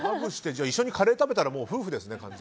じゃあ一緒にカレー食べたら夫婦ですね。